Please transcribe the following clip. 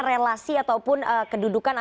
relasi ataupun kedudukan atau